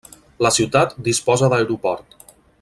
La ciutat disposa d'aeroport.